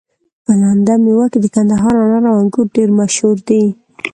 په لنده ميوه کي د کندهار انار او انګور ډير مشهور دي